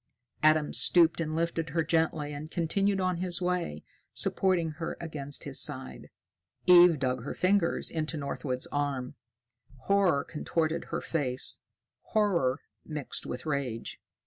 Adam stooped and lifted her gently and continued on his way, supporting her against his side. Eve dug her fingers into Northwood's arm. Horror contorted her face, horror mixed with rage.